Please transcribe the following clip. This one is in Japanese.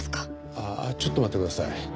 ああちょっと待ってください。